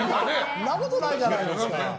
そんなことないじゃないですか。